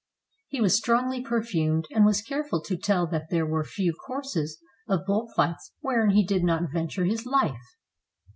He was strongly perfumed, and was careful to tell that there were few courses of bull fights wherein he did not venture his life."